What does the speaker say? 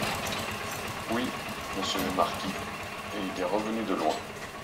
Oui, monsieur le marquis, et il est revenu de loin.